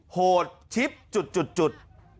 โหดชิดจุด